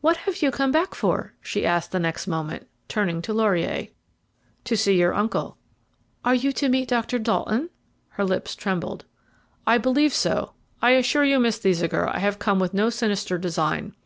"What have you come back for?" she asked the next moment, turning to Laurier. "To see your uncle." "Are you to meet Dr. Dalton?" her lips trembled. "I believe so. I assure you, Miss Thesiger, I have come with no sinister design."